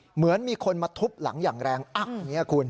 เหมือนมีคนมาทุบหลังอย่างแรงอ๊ะนี่คุณ